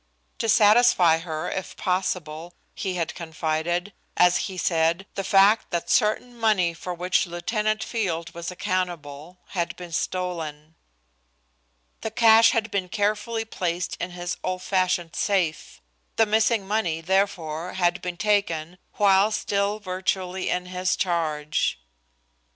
To satisfy her if possible, he had confided, as he said, the fact that certain money for which Lieutenant Field was accountable, had been stolen. The cash had been carefully placed in his old fashioned safe; the missing money, therefore, had been taken while still virtually in his charge.